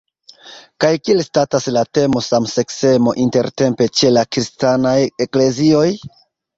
Kaj kiel statas la temo samseksemo intertempe ĉe la kristanaj eklezioj?